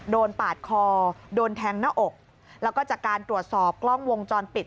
ปาดคอโดนแทงหน้าอกแล้วก็จากการตรวจสอบกล้องวงจรปิด